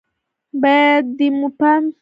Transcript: بايد دې ته مو پام وي